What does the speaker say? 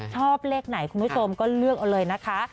ชอบเลขไหนคุณผู้ชมก็เลือกเอาเลยนะคะ